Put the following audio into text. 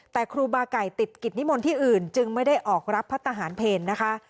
แต่ครูบาไก่ติดกิจนิมนต์ที่อื่นจึงไม่ได้ออกรับพระทหารเพลนะคะ